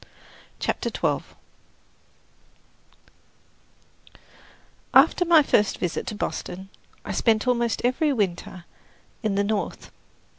CHAPTER XII After my first visit to Boston, I spent almost every winter in the North.